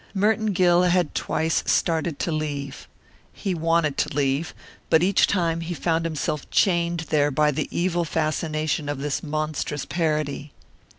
Merton Gill had twice started to leave. He wanted to leave. But each time he found himself chained there by the evil fascination of this monstrous parody.